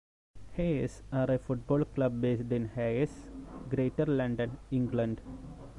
Hayes are a football club based in Hayes, Greater London, England.